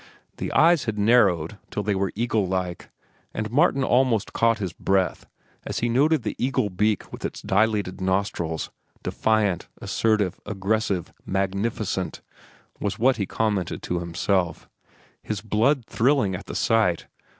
The eyes had narrowed till they were eagle like, and Martin almost caught his breath as he noted the eagle beak with its dilated nostrils, defiant, assertive, aggressive. Magnificent, was what he commented to himself, his blood thrilling at the sight.